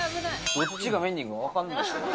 どっちがメンディー君か分かんない。